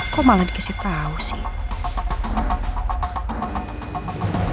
kok malah dikasih tahu sih